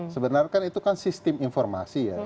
sebenarnya kan itu kan sistem informasi ya